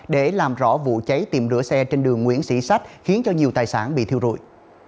để làm rõ vụ cháy tiệm rửa xe trên đường nguyễn sĩ sách khiến cho nhiều tài sản bị thiêu rụi